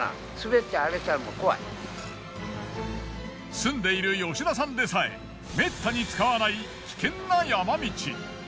住んでいる吉田さんでさえめったに使わない危険な山道。